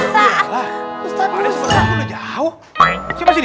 junat kenapa jadi rusuk